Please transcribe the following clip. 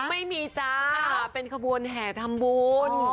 ไม่มีจ้าเป็นขบวนแห่ทำบุญ